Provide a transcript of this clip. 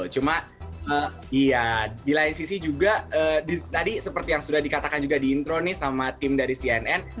cuma ya di lain sisi juga tadi seperti yang sudah dikatakan juga diintro nih sama tim dari cnn